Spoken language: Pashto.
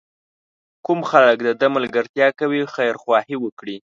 کوم خلک د ده ملګرتیا کوي خیرخواهي وکړي.